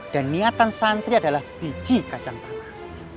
dan niatan santri adalah biji kacang tanah